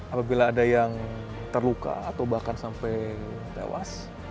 apabila ada yang terluka atau bahkan sampai tewas